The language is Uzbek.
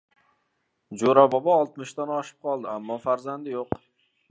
Jo‘ra bobo oltmishdan oshib qoldi. Ammo farzandi yo‘q...